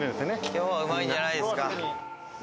今日はうまいんじゃないですか。